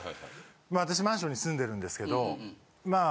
あたしマンションに住んでるんですけどまあ